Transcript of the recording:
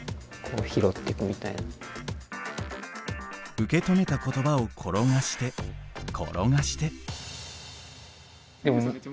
受け止めた言葉を転がして転がして。